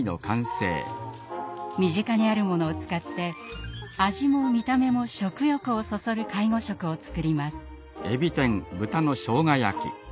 身近にあるものを使って味も見た目も食欲をそそる介護食を作ります。